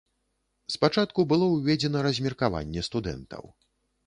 Спачатку было ўведзена размеркаванне студэнтаў.